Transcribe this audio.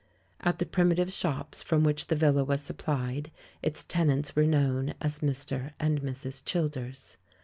At the primitive shops from which the villa was supplied, its tenants were known as "Mr. and Mrs. Childers."